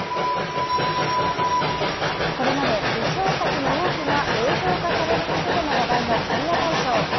これまで、受賞作の多くが映像化されることでも話題の本屋大賞。